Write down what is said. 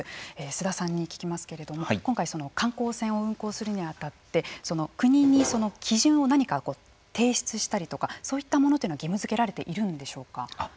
須田さんに聞きますけれども今回、観光船を運航するに当たって国に基準を何か提出したりとかそういったものというのは義務づけられているんでしょうか。